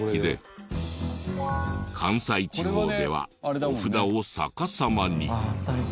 関西地方ではお札を逆さまに。